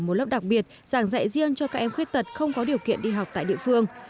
một lớp đặc biệt giảng dạy riêng cho các em khuyết tật không có điều kiện đi học tại địa phương